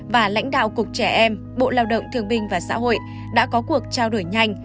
và lãnh đạo cục trẻ em bộ lao động thương binh và xã hội đã có cuộc trao đổi nhanh